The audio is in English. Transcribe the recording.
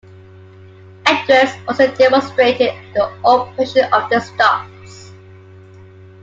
Edwards also demonstrated the operation of the stops.